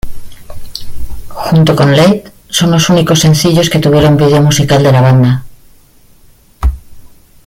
Junto con Late son los únicos sencillos que tuvieron vídeo musical de la banda.